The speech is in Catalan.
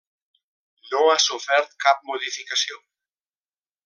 No ha sofert cap modificació.